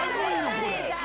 これ。